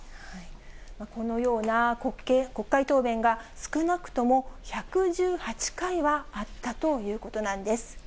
このような国会答弁が、少なくとも１１８回はあったということなんです。